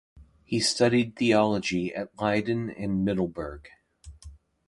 He studied theology at Leiden and Middelburg.